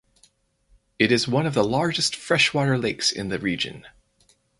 It is one of the largest freshwater lakes in the region.